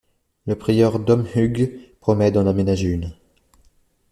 Le prieur Dom Hugues promet d'en aménager une.